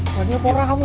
wah dia pora kamu